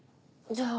じゃあ。